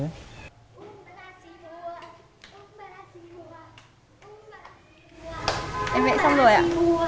anh vẽ xong rồi ạ